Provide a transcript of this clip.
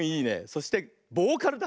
そしてボーカルだ。